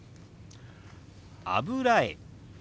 「油絵」。